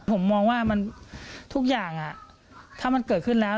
ผมมองว่ามันทุกอย่างถ้ามันเกิดขึ้นแล้ว